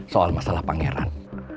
soal masalah pangeran